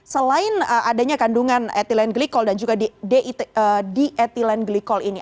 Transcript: selain adanya kandungan ethylene glycol dan juga di ethylene glycol ini